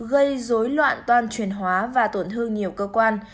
gây dối loạn toàn chuyển hóa và tổn thương nhiều cơ quan